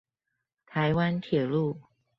台灣鐵路